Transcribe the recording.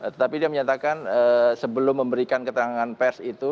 tetapi dia menyatakan sebelum memberikan keterangan pers itu